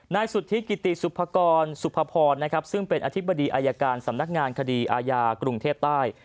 นายสุธิกิติสุภกรสุภพรนะครับซึ่งเป็นอธิบดีอายการสำนักงานคดีอาญากรุงเทพใต้